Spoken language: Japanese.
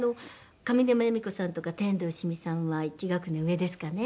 上沼恵美子さんとか天童よしみさんは１学年上ですかね。